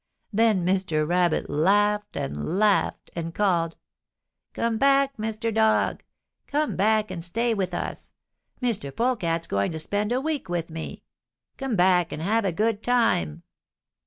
Then Mr. Rabbit laughed and laughed, and called: "'Come back! Mr. Dog. Came back and stay with us. Mr. Polecat's going to spend a week with me. Come back and have a good time.'